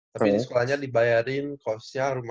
tapi di sekolahnya dibayarin costnya